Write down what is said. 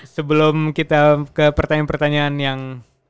sebelum kita ke pertanyaan pertanyaan yang